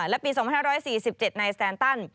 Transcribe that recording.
และปี๒๕๔๗ในสแตนตัน